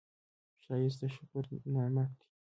ښایست د شکر نعمت دی